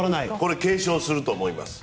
継承すると思います。